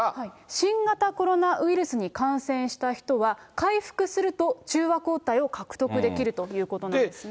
新型コロナウイルスに感染した人は、回復すると、中和抗体を獲得できるということなんですね。